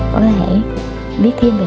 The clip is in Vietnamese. có thể viết thêm về